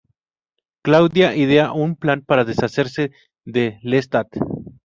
Claudia idea un plan para deshacerse de Lestat.